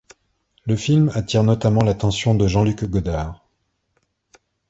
Le film attire notamment l'attention de Jean-Luc Godard.